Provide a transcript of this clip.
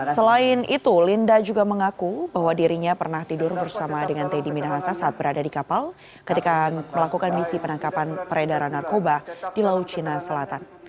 selain itu linda juga mengaku bahwa dirinya pernah tidur bersama dengan teddy minahasa saat berada di kapal ketika melakukan misi penangkapan peredaran narkoba di laut cina selatan